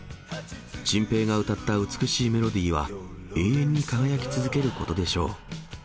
チンペイが歌った美しいメロディーは、永遠に輝き続けることでし